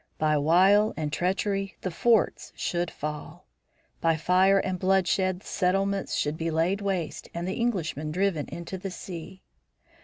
By wile and treachery the forts should fall. By fire and bloodshed the settlements should be laid waste and the Englishmen driven into the sea.